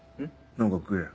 何か食えよ。